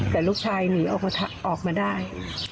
แต่ลูกชายหนีออกมาได้